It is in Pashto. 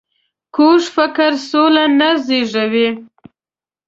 کوږ فکر سوله نه زېږوي